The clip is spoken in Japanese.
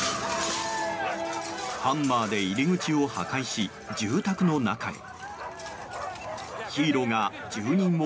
ハンマーで入り口を破壊し住宅の中へ。